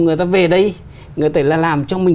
người ta về đây người ta làm cho mình